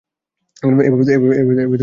এভাবে তো যেতে পারবে না।